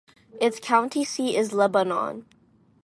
Its county seat is Lebanon.